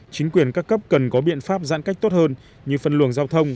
chính quyền các cấp cần có biện pháp giãn cách tốt hơn như phân luồng giao thông